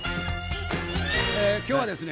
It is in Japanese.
今日はですね